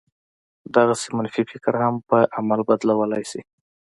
دغسې منفي فکر هم پر عمل بدلولای شي